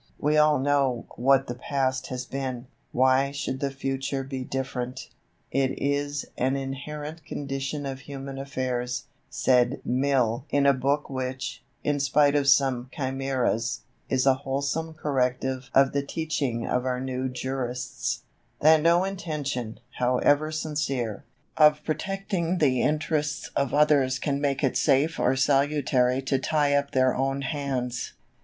We all know what the past has been. Why should the future be different? "It is an inherent condition of human affairs," said Mill in a book which, in spite of some chimeras, is a wholesome corrective of the teaching of our new jurists, "that no intention, however sincere, of protecting the interests of others can make it safe or salutary to tie up their own hands.